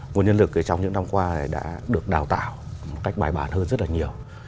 nguồn nhân lực trong những năm qua đã được đào tạo một cách bài bản hơn rất là nhiều